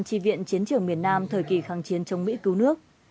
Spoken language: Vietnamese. tri viện chiến trường miền nam thời kỳ kháng chiến chống mỹ cứu nước